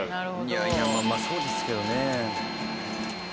いやいやまあそうですけどね。